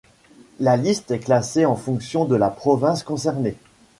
La liste est classée en fonction de la province concernée.